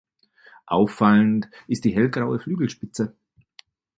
Auffallend ist die hellgraue Flügelspitze.